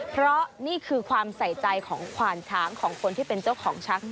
เพราะนี่คือความใส่ใจของขวานช้างของคนที่เป็นเจ้าของช้าง